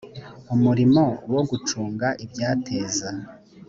umurimo wo gucunga ibyateza